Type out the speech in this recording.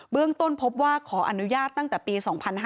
เรื่องต้นพบว่าขออนุญาตตั้งแต่ปี๒๕๕๙